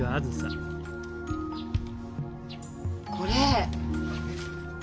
これ。